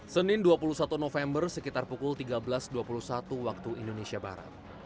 senin dua puluh satu november sekitar pukul tiga belas dua puluh satu waktu indonesia barat